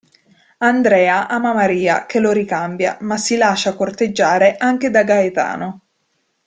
Andrea ama Maria che lo ricambia, ma si lascia corteggiare anche da Gaetano.